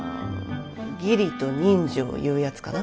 義理と人情いうやつかな。